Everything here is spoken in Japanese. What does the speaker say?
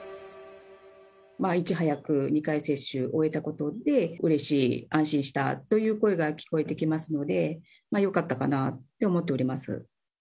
いち早く１回接種を終えたことで、うれしい、安心したという声が聞こえてきますので、まあ、よかったかなって思っております。